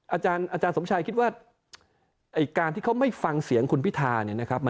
อาจารย์สมชัยคิดว่าการที่เขาไม่ฟังเสียงคุณพิธาเนี่ยนะครับ